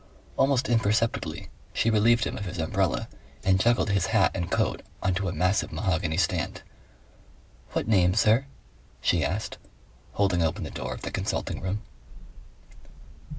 Almost imperceptibly she relieved him of his umbrella and juggled his hat and coat on to a massive mahogany stand. "What name, Sir?" she asked, holding open the door of the consulting room.